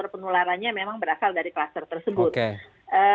sudah ada beberapa internasi atau perkenalkan